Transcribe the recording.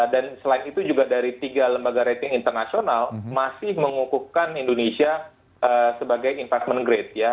dan selain itu juga dari tiga lembaga rating internasional masih mengukuhkan indonesia sebagai investment grade ya